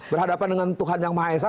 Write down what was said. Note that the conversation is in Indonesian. berhadapan dengan tuhan yang maha esa